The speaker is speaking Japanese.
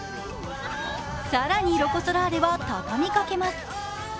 更にロコ・ソラーレはたたみかけます。